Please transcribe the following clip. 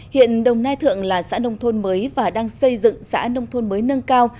hiện đồng nai thượng là xã nông thôn mới và đang xây dựng xã nông thôn mới nâng cao